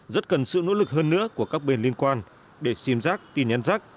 rất cần sự nỗ lực hơn nữa của các bên liên quan để sim giác tin nhắn rác